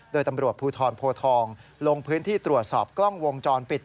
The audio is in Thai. โดยตำรวจภูทรโพทองลงพื้นที่ตรวจสอบกล้องวงจรปิด